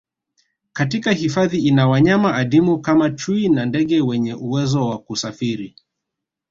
Katika hifadhi ina wanyama adimu kama chui na ndege wenye uwezo wa kusafiri